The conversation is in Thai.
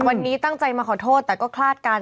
วันนี้ตั้งใจมาขอโทษแต่ก็คลาดกัน